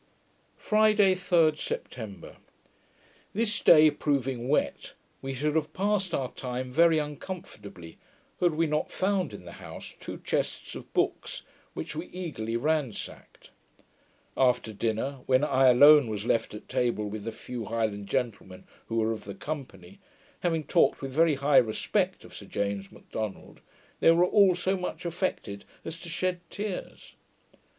Friday, 3d September This day proving wet, we should have passed our time very uncomfortably, had we not found in the house two chests of books, which we eagerly ransacked. After dinner, when I alone was left at table with the few Highland gentlemen who were of the company, having talked with very high respect of Sir James Macdonald, they were all so much affected as to shed tears.